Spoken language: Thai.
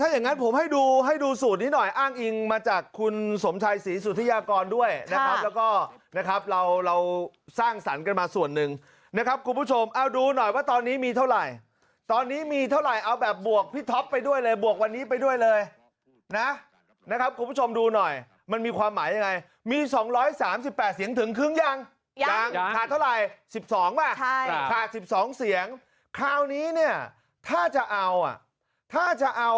อย่างนั้นผมให้ดูให้ดูสูตรนี้หน่อยอ้างอิงมาจากคุณสมชายศรีสุธิยากรด้วยนะครับแล้วก็นะครับเราเราสร้างสรรค์กันมาส่วนหนึ่งนะครับคุณผู้ชมเอาดูหน่อยว่าตอนนี้มีเท่าไหร่ตอนนี้มีเท่าไหร่เอาแบบบวกพี่ท็อปไปด้วยเลยบวกวันนี้ไปด้วยเลยนะนะครับคุณผู้ชมดูหน่อยมันมีความหมายยังไงมี๒๓๘เสียงถึงครึ่งยังยั